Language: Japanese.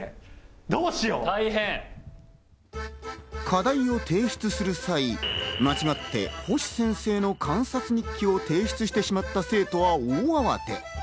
課題を提出する際、間違って星先生の観察日記を提出してしまった生徒が大慌て。